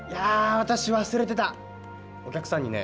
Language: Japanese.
私忘れてたお客さんにね